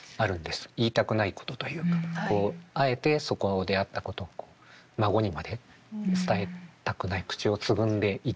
言いたくないことというかこうあえてそこであったことを孫にまで伝えたくない口をつぐんでいたい。